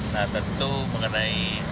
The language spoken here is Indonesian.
nah tentu mengenai